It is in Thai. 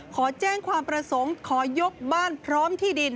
ขอแจ้งความประสงค์ขอยกบ้านพร้อมที่ดิน